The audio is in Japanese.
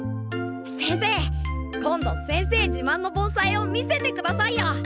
先生今度先生自まんの盆栽を見せてくださいよ。